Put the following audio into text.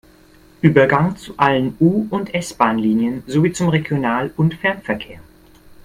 Übergang zu allen U- und S-Bahnlinien sowie zum Regional- und Fernverkehr.